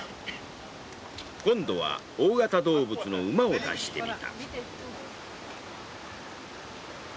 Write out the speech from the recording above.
今度は大型動物の馬を出してみた。